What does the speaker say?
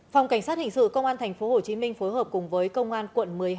phòng cảnh sát hình sự công an tp hcm phối hợp cùng với công an quận một mươi hai